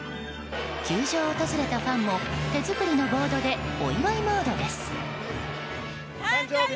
球場を訪れたファンも手作りのボードでお祝いムードです。